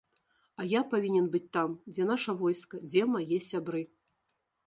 А я павінен быць там, дзе наша войска, дзе мае сябры.